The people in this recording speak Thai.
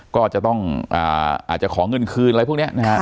ก็จะต้องอาจจะขอเงินคืนอะไรพวกนี้นะฮะ